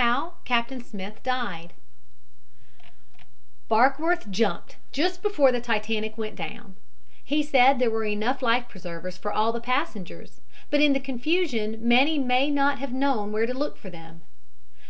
HOW CAPTAIN SMITH DIED Barkworth jumped, just before the Titanic went down. He said there were enough life preservers for all the passengers, but in the confusion many may not have known where to look for them.